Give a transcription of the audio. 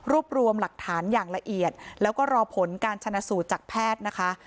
รวมรวมหลักฐานอย่างละเอียดแล้วก็รอผลการชนะสูตรจากแพทย์นะคะ